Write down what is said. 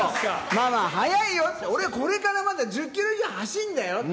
ママ、早いよって、俺、これからまだ１０キロ以上走るんだよって。